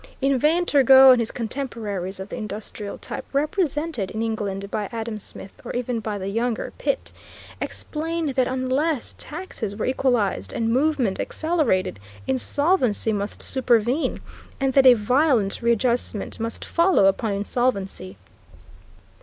In vain Turgot and his contemporaries of the industrial type, represented in England by Adam Smith or even by the younger Pitt, explained that unless taxes were equalized and movement accelerated, insolvency must supervene, and that a violent readjustment must follow upon insolvency.